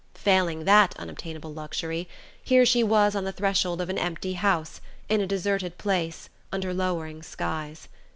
Failing that unobtainable luxury, here she was on the threshold of an empty house, in a deserted place, under lowering skies.